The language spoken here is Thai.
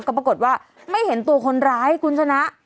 ก็ปรากฏว่าไม่เห็นตัวคนร้ายคุณชนะ